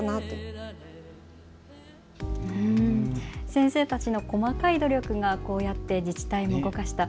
先生たちの細かい努力がこうやって自治体も動かした。